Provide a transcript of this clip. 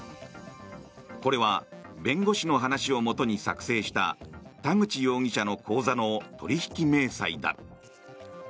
これは弁護士の話をもとに作成した田口容疑者の口座の取引明細だ。